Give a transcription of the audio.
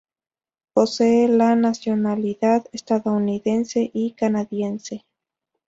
Posee la nacionalidad estadounidense y canadiense.